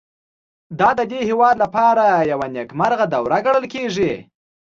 دا د دې هېواد لپاره یوه نېکمرغه دوره ګڼل کېده